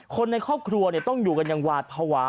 คนในครอบครัวต้องอยู่กันอย่างหวาดภาวะ